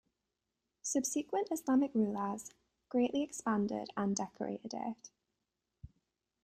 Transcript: Subsequent Islamic rulers greatly expanded and decorated it.